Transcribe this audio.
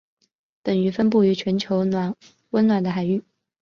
本鱼分布于全球温暖的海域。